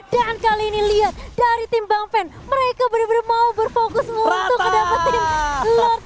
dan kali ini lihat dari tim bang pen mereka benar benar mau berfokus untuk mendapatkan lord van